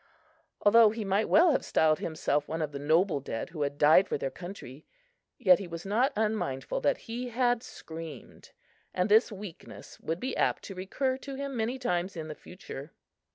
Although he might well have styled himself one of the noble dead who had died for their country, yet he was not unmindful that he had screamed, and this weakness would be apt to recur to him many times in the future.